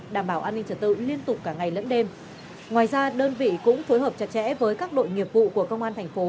đảm bảo an ninh trật tự liên tục cả ngày lẫn đêm ngoài ra đơn vị cũng phối hợp chặt chẽ với các đội nghiệp vụ của công an thành phố